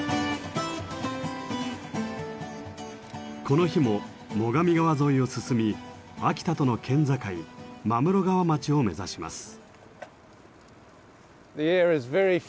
この日も最上川沿いを進み秋田との県境真室川町を目指します。